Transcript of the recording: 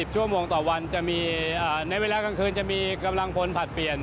ชั่วโมงต่อวันจะมีในเวลากลางคืนจะมีกำลังพลผลัดเปลี่ยน